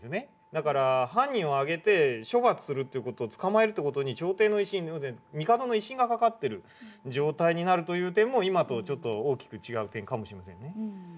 だから犯人を挙げて処罰するっていう事捕まえるって事に朝廷の威信帝の威信がかかってる状態になるという点も今とちょっと大きく違う点かもしれませんね。